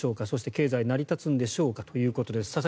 そして、経済は成り立つんでしょうかということです。